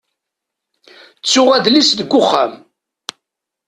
Ttuɣ adlis deg uxxam.